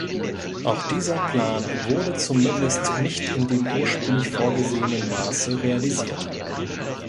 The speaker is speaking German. Auch dieser Plan wurde zumindest nicht in dem ursprünglich vorgesehenen Maße realisiert.